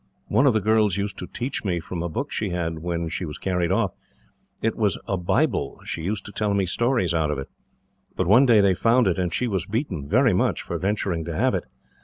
One of the girls used to teach me, from a book she had when she was carried off. It was a Bible she used to tell me stories out of it. But one day they found it, and she was beaten, very much, for venturing to have it.